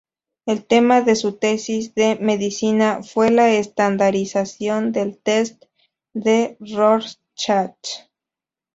El tema de su tesis de medicina fue la estandarización del test de Rorschach.